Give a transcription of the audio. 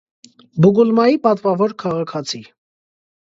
Բուգուլմայի պատվավոր քաղաքացի։